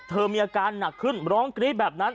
มีอาการหนักขึ้นร้องกรี๊ดแบบนั้น